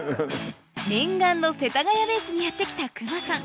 念願の世田谷ベースにやって来た隈さん